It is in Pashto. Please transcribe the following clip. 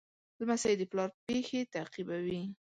لمسی د پلار پېښې تعقیبوي.